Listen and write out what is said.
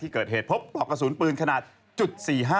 เกิดเหตุพบปลอกกระสุนปืนขนาดจุด๔๕